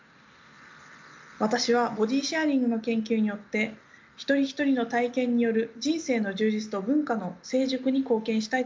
私はボディシェアリングの研究によって一人一人の体験による人生の充実と文化の成熟に貢献したいと考えています。